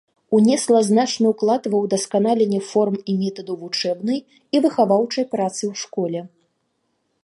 Унесла значны ўклад ва ўдасканаленне форм і метадаў вучэбнай і выхаваўчай працы ў школе.